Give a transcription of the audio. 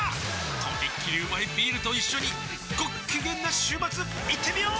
とびっきりうまいビールと一緒にごっきげんな週末いってみよー！